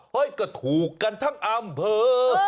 เฮ้ยก็ถูกกันทั้งอำเผลอ